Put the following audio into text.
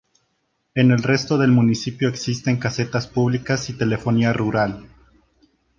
En el resto del municipio existen casetas públicas y telefonía rural.